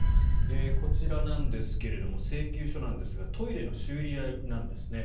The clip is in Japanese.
こちらなんですけども請求書なんですがトイレの修理代なんですね。